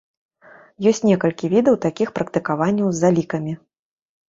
Ёсць некалькі відаў такіх практыкаванняў з залікамі.